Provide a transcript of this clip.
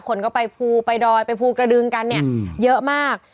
คนก็ไปภูไปดอยไปภูกระดึงกันเนี่ยเยอะมาก